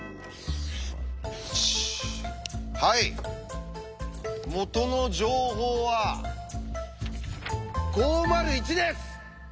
はい元の情報は「５０１」です！